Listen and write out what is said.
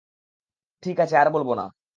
ঠিক আছে, আর বলবো না।